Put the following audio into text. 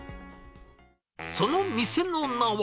その店の名は。